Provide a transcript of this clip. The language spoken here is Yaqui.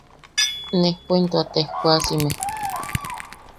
Nejpo into a tejwasime.